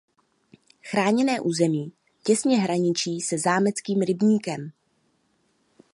Chráněné území těsně hraničí se Zámeckým rybníkem.